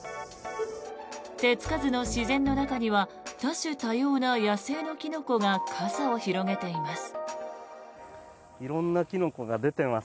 手付かずの自然の中には多種多様な野生のキノコがかさを広げています。